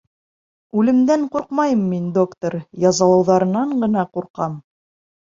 Үлемдән ҡурҡмайым мин, доктор, язалауҙарынан ғына ҡурҡам.